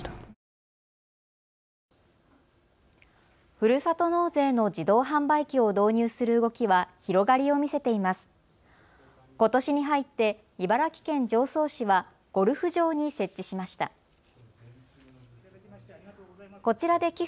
ふるさと納税の自動販売機を導入する動きは広がりを見せています。